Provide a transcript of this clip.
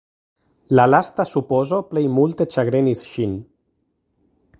La lasta supozo plej multe ĉagrenis ŝin.